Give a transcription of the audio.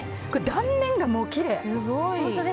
断面がもうきれい。